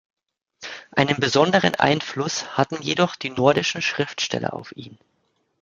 Einen besonderen Einfluss hatten jedoch die nordischen Schriftsteller auf ihn.